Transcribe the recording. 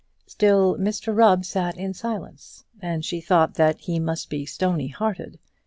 Still Mr Rubb sat in silence, and she thought that he must be stonyhearted.